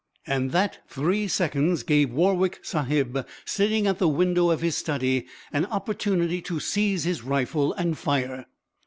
And that three seconds gave Warwick Sahib, sitting at the window of his study, an opportunity to seize his rifle and fire.